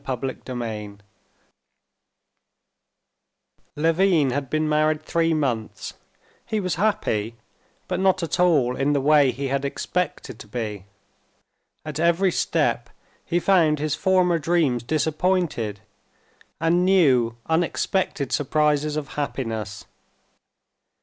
Chapter 14 Levin had been married three months. He was happy, but not at all in the way he had expected to be. At every step he found his former dreams disappointed, and new, unexpected surprises of happiness.